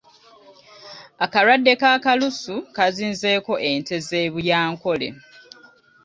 Akalwadde ka kalusu kaazinzeeko ente z’e Buyankole.